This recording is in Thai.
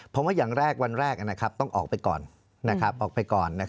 ผมว่าอย่างแรกวันแรกต้องออกไปก่อน